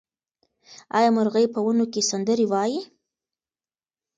آیا مرغۍ په ونو کې سندرې وايي؟